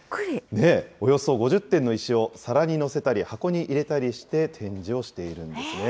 およそ５０点の石を皿に載せたり、箱に入れたりして、展示をしているんですね。